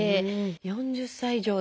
４０歳以上で。